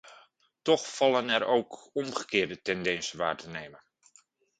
Toch vallen er ook omgekeerde tendensen waar te nemen.